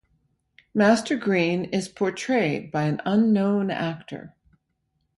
Master Green is portrayed by an unknown actor.